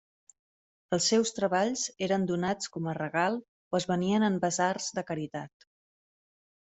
Els seus treballs eren donats com a regal o es venien en basars de caritat.